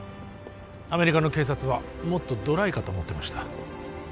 アメリカの警察はもっとドライかと思ってました